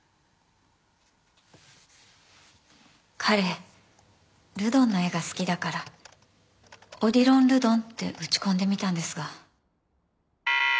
彼ルドンの絵が好きだから「Ｏｄｉｌｏｎｒｅｄｏｎ」って打ち込んでみたんですが。